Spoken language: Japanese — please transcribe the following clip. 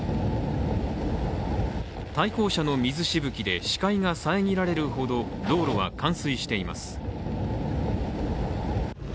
対向車の水しぶきで視界が遮られるほど道路は冠水しています。